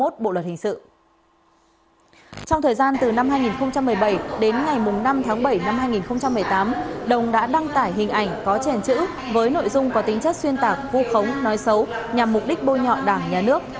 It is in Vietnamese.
trong thời gian từ năm hai nghìn một mươi bảy đến ngày năm tháng bảy năm hai nghìn một mươi tám đồng đã đăng tải hình ảnh có chèn chữ với nội dung có tính chất xuyên tạc vu khống nói xấu nhằm mục đích bôi nhọ đảng nhà nước